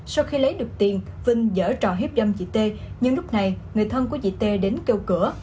sau khi lấy được tiền vinh dở trò hiếp dâm chị t nhưng lúc này người thân của chị t đến kêu cửa